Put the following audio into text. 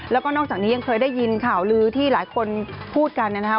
แล้วก็นอกจากนี้ยังเคยได้ยินข่าวลือที่หลายคนพูดกันนะครับ